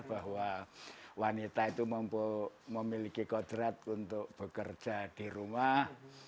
bahwa wanita itu memiliki kodrat untuk bekerja di rumah